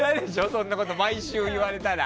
そんなこと毎週言われたら。